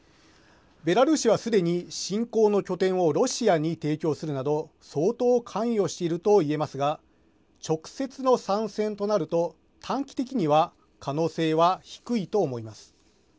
ベラルーシはすでに侵攻の拠点をロシアに提供するなど相当関与していると言えますが直接の参戦となると短期的には可能性は低いと思います。